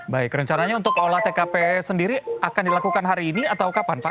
baik rencananya untuk olah tkp sendiri akan dilakukan hari ini atau kapan pak